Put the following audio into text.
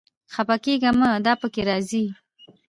خپه کېږه مه، دا پکې راځي